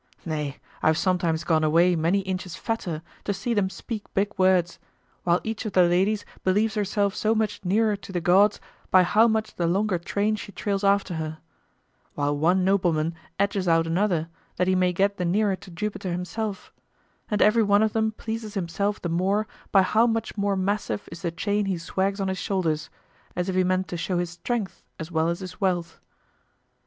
Nay, I have sometimes gone away many inches fatter, to see them speak big words; while each of the ladies believes herself so much nearer to the gods by how much the longer train she trails after her; while one nobleman edges out another, that he may get the nearer to Jupiter himself; and everyone of them pleases himself the more by how much more massive is the chain he swags on his shoulders, as if he meant to show his strength as well as his wealth.